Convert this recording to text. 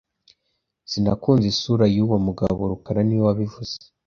Sinakunze isura yuwo mugabo rukara niwe wabivuze